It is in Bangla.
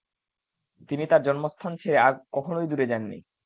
তিনি তার জন্মস্থান ছেড়ে আর কখনই দূরে যাননি।